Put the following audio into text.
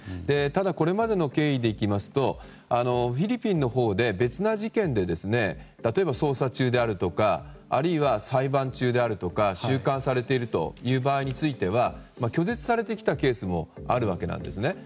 これまでの経緯でいきますとフィリピンのほうで別な事件で例えば、捜査中ですとかあるいは裁判中であるとか収監されているといった場合には拒絶されてきたケースもあるわけなんです。